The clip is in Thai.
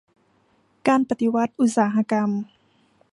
การปฏิวัติอุตสาหกรรม